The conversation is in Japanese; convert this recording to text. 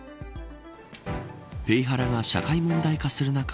ペイハラが社会問題化する中